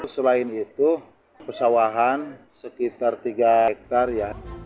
selain itu pesawahan sekitar tiga hektare ya